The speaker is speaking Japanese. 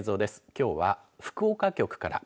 きょうは福岡局から。